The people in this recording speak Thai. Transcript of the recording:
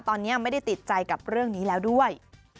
ตอนนี้ไม่ได้ติดใจกับเรื่องนี้แล้วด้วย